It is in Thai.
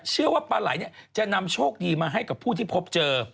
เชื่อว่าปลาไหล่จะนำโชคดีมาให้กับผู้ที่พบเจอ